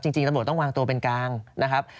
จริงตำรวจต้องวางตัวเป็นกลางนะครับ